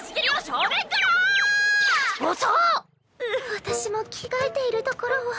私も着替えているところを。